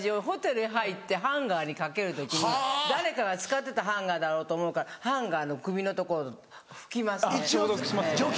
ホテルへ入ってハンガーにかける時に誰かが使ってたハンガーだろうと思うからハンガーの首の所拭きますね。